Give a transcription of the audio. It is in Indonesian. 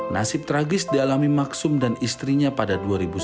nasib tragis dialami maksum dan istrinya pada dua ribu sembilan